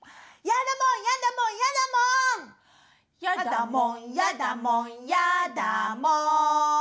やだもんやだもんやだもん。